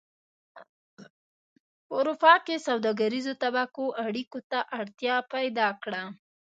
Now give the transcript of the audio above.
په اروپا کې سوداګریزو طبقو اړیکو ته اړتیا پیدا کړه